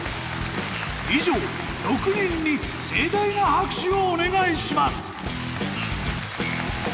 以上６人に盛大な拍手をお願いします。